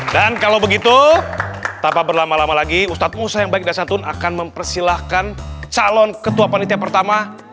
dan kalau begitu tanpa berlama lama lagi ustadz musa yang baik dan santun akan mempersilahkan calon ketua panitia pertama